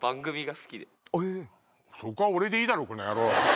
そこは俺でいいだろこの野郎！